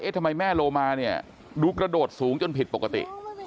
ทำไมแม่โลมาเนี่ยดูกระโดดสูงจนผิดปกติ